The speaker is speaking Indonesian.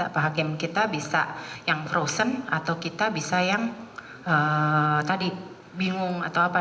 pak hakim kita bisa yang frozen atau kita bisa yang tadi bingung atau apa